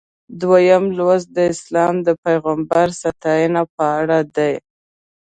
دویم لوست د اسلام د پیغمبر ستاینه په اړه دی.